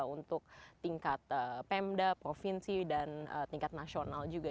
untuk tingkat pemda provinsi dan tingkat nasional juga